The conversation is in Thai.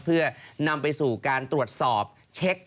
เพื่อนำไปสู่การตรวจสอบเช็ค